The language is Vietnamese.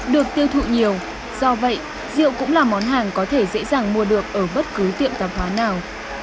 được tiêu thụ nhiều do vậy rượu cũng là món hàng có thể dễ dàng mua được ở bất cứ tiệm tạp hóa nào